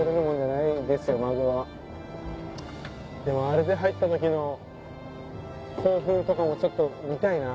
でもあれで入った時の興奮とかもちょっと見たいな。